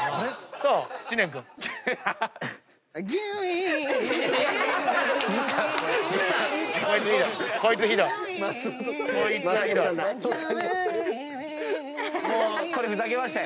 さあ知念君。これふざけましたよ。